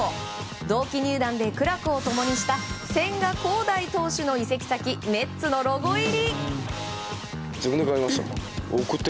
同期入団で苦楽を共にした千賀滉大投手の移籍先メッツのロゴ入り。